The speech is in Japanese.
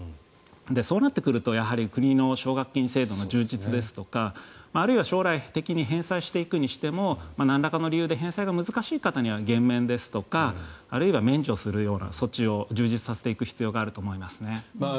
そうなってくると国の奨学金制度の充実ですとかあるいは将来的に返済していくににしてもなんらかの理由で返済が難しい方には減免ですとかあるいは免除するような措置を充実させていく必要があると思いますね。